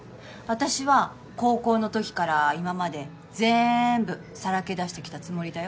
私は高校の時から今までぜんぶさらけ出してきたつもりだよ。